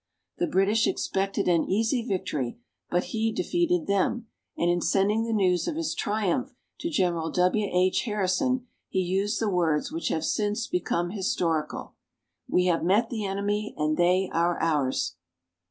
The British expected an easy vic tory, but he defeated them ; and in sending the news of his triumph to General W. H. Harrison, he used the words which have since become historical : "We have met the enemy, and they are ours."